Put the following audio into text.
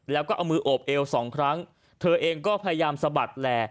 แล้วก็เอามือโอบเอวสองครั้งเธอเองก็พยายามสะบัดแหล่